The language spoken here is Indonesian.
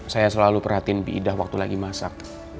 saya selalu perhatiin bidah waktu lagi masak